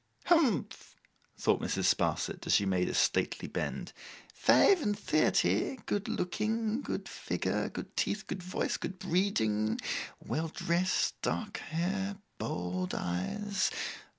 'Humph!' thought Mrs. Sparsit, as she made a stately bend. 'Five and thirty, good looking, good figure, good teeth, good voice, good breeding, well dressed, dark hair, bold eyes.